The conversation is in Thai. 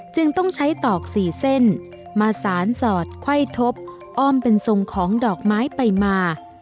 จึงต้องใช้ตอกสี่เส้นมาสารสอดไขว้ทบอ้อมเป็นทรงของดอกไม้ไปมา